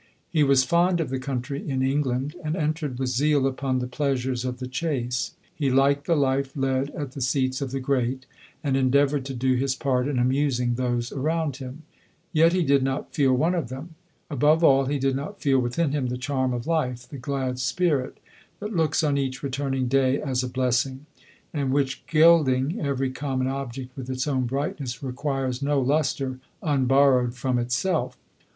He was fond of the country in England, and entered with zeal upon the pleasures of the chace. He liked the life led at the seats of the great, and endeavoured to do his part in amusing the around him. Yet he did not feel one of them. Above all, he did not feel within him the charm of life, the glad spirit that looks on each returning day as a blessing; and which, gilding every common 96 LODORE. object with its own brightness, requires no lustre unborrowed from itself.